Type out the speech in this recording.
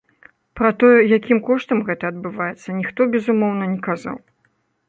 Пра тое, якім коштам гэта адбываецца, ніхто, безумоўна, не казаў.